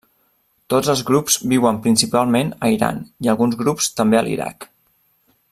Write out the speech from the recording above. Tots els grups viuen principalment a Iran, i alguns grups també a l'Iraq.